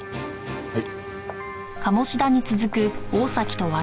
はい。